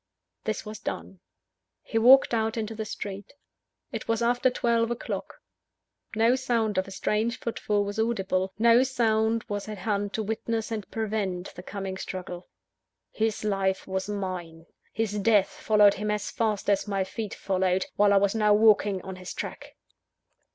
This was done. He walked out into the street. It was after twelve o'clock. No sound of a strange footfall was audible no soul was at hand to witness, and prevent, the coming struggle. His life was mine. His death followed him as fast as my feet followed, while I was now walking on his track.